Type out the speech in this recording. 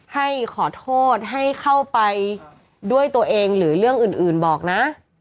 ให้ขอโทษให้เข้าไปด้วยตัวเองหรือเรื่องอื่นบอกนะ